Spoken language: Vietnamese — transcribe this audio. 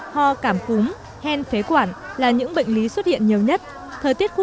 ho cảm cúm hen phế quản là những bệnh lý xuất hiện nhiều nhất